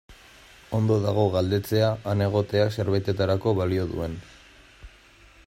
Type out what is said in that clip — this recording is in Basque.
Ondo dago galdetzea han egoteak zerbaitetarako balio duen.